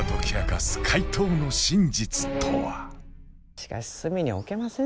しかし隅に置けませんね